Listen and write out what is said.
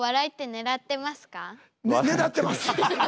狙ってますか？